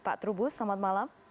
pak trubus selamat malam